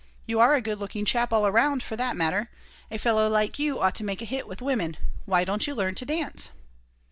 You are a good looking chap all around, for that matter. A fellow like you ought to make a hit with women. Why don't you learn to dance?"